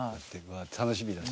楽しみだし。